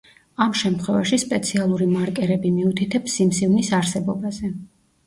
ამ შემთხვევაში სპეციალური მარკერები მიუთითებს სიმსივნის არსებობაზე.